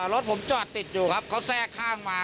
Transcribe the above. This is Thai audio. รถผมจอดติดอยู่ครับเขาแทรกข้างมา